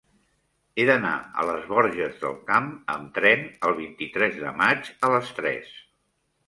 He d'anar a les Borges del Camp amb tren el vint-i-tres de maig a les tres.